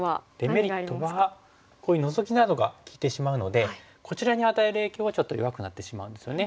デメリットはここにノゾキなどが利いてしまうのでこちらに与える影響はちょっと弱くなってしまうんですよね。